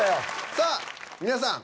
さあ皆さん。